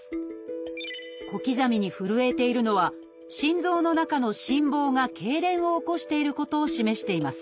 小刻みに震えているのは心臓の中の心房がけいれんを起こしていることを示しています。